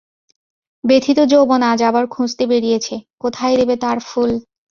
ব্যথিত যৌবন আজ আবার খুঁজতে বেরিয়েছে, কোথায় দেবে তার ফুল!